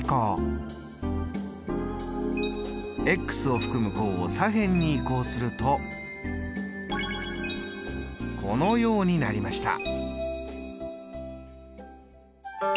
を含む項を左辺に移項するとこのようになりました。